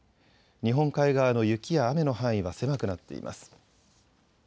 日本海側の雪や雨の範囲は狭くなっています。